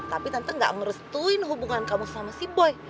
tapi tante gak merestuin hubungan kamu sama si boy